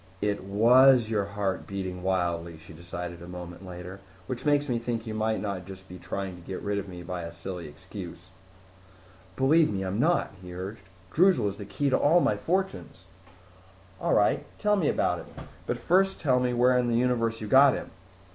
"It was your heart beating wildly," she decided a moment later. "Which makes me think you might not just be trying to get rid of me by a silly excuse." "Believe me, I'm not," he urged. "Droozle is the key to all my fortunes." "All right, tell me about it. But first tell me where in the universe you got him."